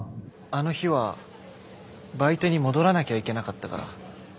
あの日はバイトに戻らなきゃいけなかったから。